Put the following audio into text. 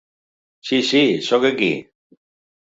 Sí, sí, sóc aquí.